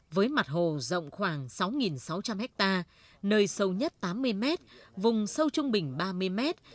với mặt hồ rộng khoảng sáu sáu trăm linh hectare nơi sâu nhất tám mươi mét vùng sâu trung bình ba mươi mét